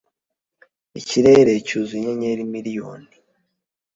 ikirere cyuzuye inyenyeri miliyoni